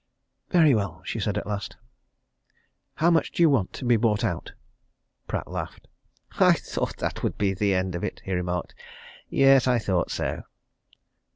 "Very well," she said at last. "How much do you want to be bought out?" Pratt laughed. "I thought that would be the end of it!" he remarked. "Yes I thought so!"